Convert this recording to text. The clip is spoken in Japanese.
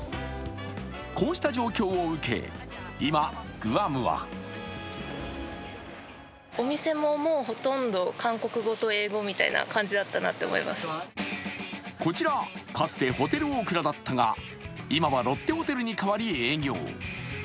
こうした状況を受け今、グアムはこちら、かつてホテルオークラだったが、今はロッテホテルに変わり営業。